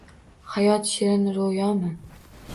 Hayot shirin roʻyomi